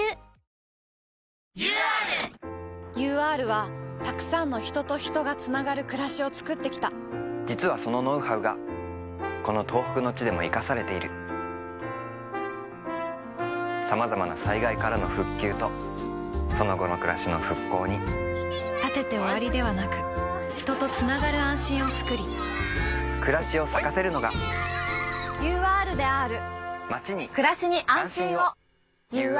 ＵＲＵＲはたくさんの人と人がつながるくらしをつくってきた実はそのノウハウがこの東北の地でも活かされているさまざまな災害からの「復旧」とその後のくらしの「復興」に建てて終わりではなく人とつながる安心をつくり“くらし”を咲かせるのがＵＲであーるＵＲであーる